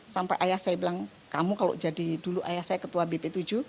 sampai ayah saya bilang kamu kalau jadi dulu ayah saya ketua bp tujuh